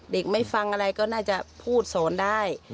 ไม่ฟังอะไรก็น่าจะพูดสอนได้